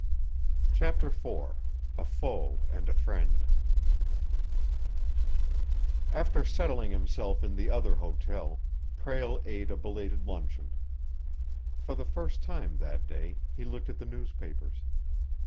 CHAPTER IV A FOE AND A FRIEND After settling himself in the other hotel, Prale ate a belated luncheon. For the first time that day, he looked at the newspapers.